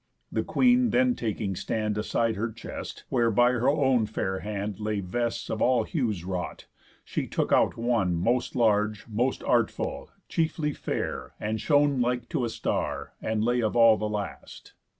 The queen then taking stand Aside her chest, where by her own fair hand Lay vests of all hues wrought, she took out one Most large, most artful, chiefly fair, and shone Like to a star, and lay of all the last.